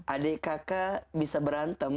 adik kakak bisa berantem